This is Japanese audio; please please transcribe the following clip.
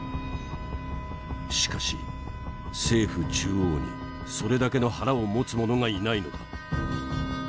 しかし政府中央にそれだけの腹を持つ者がいないのだ。